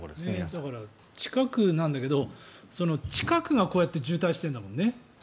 だから、近くなんだけど近くがこうやって渋滞しているんだもんね。